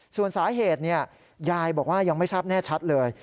ส่วนสาเหตุยายบอกว่ายังไม่ทราบแน่ชัดเลย